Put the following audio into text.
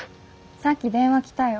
さっき電話来たよ。